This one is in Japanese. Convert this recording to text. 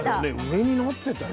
上になってたよ。